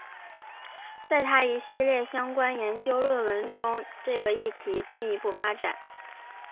在他一系列相关研究论文中这个议题进一步发展。